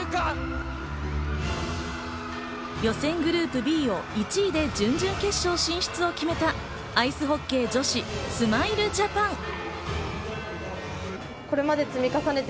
予選グループＢを１位で準々決勝進出を決めたアイスホッケー女子・スマイルジャパン。